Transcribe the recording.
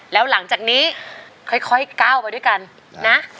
แล้วหลังจากนี้ค่อยก้าวไปด้วยกันนะ